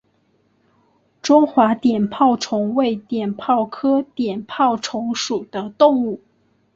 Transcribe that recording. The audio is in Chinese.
中华碘泡虫为碘泡科碘泡虫属的动物。